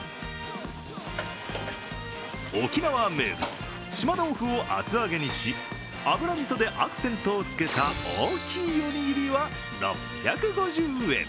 沖縄名物・島豆腐を厚揚げにし油みそでアクセントをつけた大きいおにぎりは６５０円。